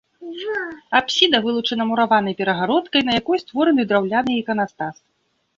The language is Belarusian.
Апсіда вылучана мураванай перагародкай, на якой створаны драўляны іканастас.